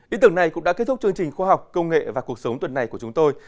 ý tưởng này cũng đã kết thúc chương trình khoa học công nghệ và cuộc sống tuần này của chúng tôi